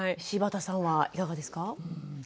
柴田さんはいかがですか？